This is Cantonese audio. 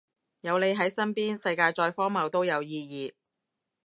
有你喺身邊，世界再荒謬都有意義